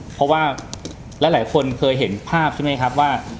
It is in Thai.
เพราะว่าหลายคนเคยเห็นภาพใช่ไหมครับว่า